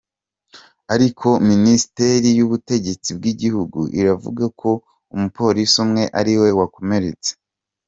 Ariko minisiteri y'ubutegetsi bw'igihugu iravuga ko umupolisi umwe ari we wakomeretse.